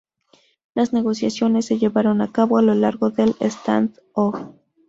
Las negociaciones se llevaron a cabo a lo largo del stand-o.